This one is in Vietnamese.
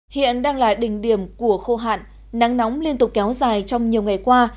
hiện đang là đỉnh điểm của khô hạn nắng nóng liên tục kéo dài trong nhiều ngày qua